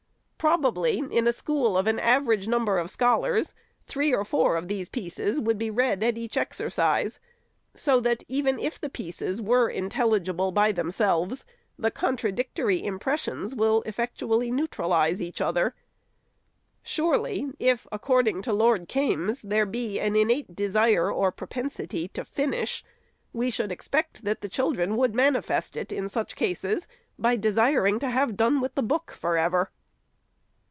Probably in a school of an average number of scholars, three or four of these pieces would be read at each exercise, so that, even if the pieces were in telligible by themselves, the contradictory impressions will effectually neutralize each other. Surely, if, according to Lord Kaimes, there be an innate desire or propensity to finish, we should expect that the children would manifest it, in such cases, by desiring to have done with the book forever.